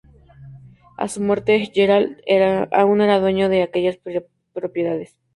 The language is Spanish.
A su muerte Gerald aún era dueño de aquellas propiedades.